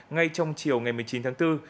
ngay trong chiều ngày một mươi một tháng